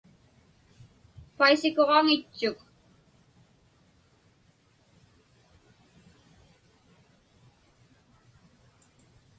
Paisakuġaŋitchuk.